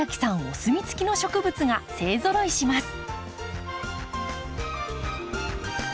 お墨付きの植物が勢ぞろいします。